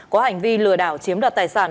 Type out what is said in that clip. có hành vi lừa đảo chiếm đoạt tài sản